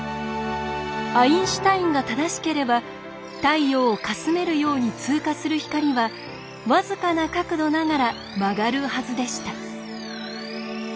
アインシュタインが正しければ太陽をかすめるように通過する光は僅かな角度ながら曲がるはずでした。